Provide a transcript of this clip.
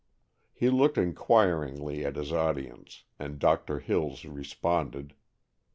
He looked inquiringly at his audience, and Doctor Hills responded.